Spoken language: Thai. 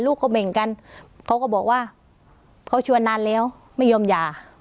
ลูกก็เบ่งกันเขาก็บอกว่าเขาชวนนานแล้วไม่ยอมหย่า